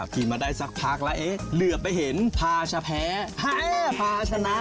ขี่มาได้สักพักแล้วเอ๊ะเหลือไปเห็นพาชะแพ้พาชนะ